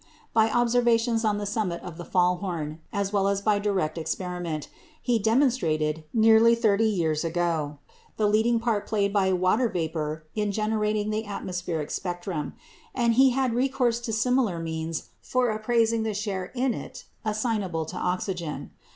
By observations on the summit of the Faulhorn, as well as by direct experiment, he demonstrated, nearly thirty years ago, the leading part played by water vapour in generating the atmospheric spectrum; and he had recourse to similar means for appraising the share in it assignable to oxygen.